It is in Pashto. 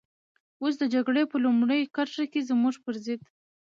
اوس د جګړې په لومړۍ کرښه کې زموږ پر ضد.